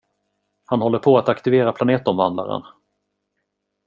Han håller på att aktivera planetomvandlaren.